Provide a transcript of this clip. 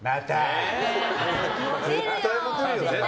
絶対モテるよ。